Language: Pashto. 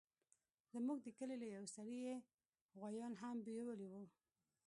زموږ د کلي له يوه سړي يې غويان هم بيولي وو.